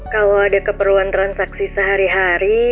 kalau ada keperluan transaksi sehari hari